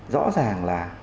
rõ ràng là